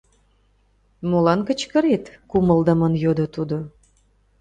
— Молан кычкырет? — кумылдымын йодо тудо.